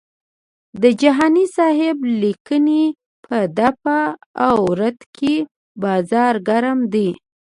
د جهاني صاحب د لیکنې په دفاع او رد کې بازار ګرم دی.